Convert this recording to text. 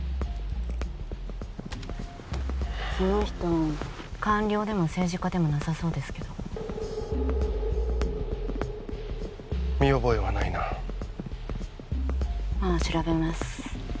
その人官僚でも政治家でもなさそうですけど見覚えはないなまっ調べます